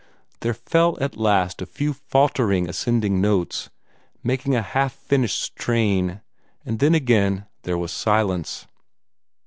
There fell at last a few faltering ascending notes, making a half finished strain, and then again there was silence.